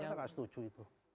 saya gak setuju itu